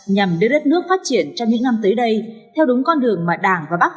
nhằm đưa đất nước phát triển trong những năm tới đây theo đúng con đường mà đảng và bắc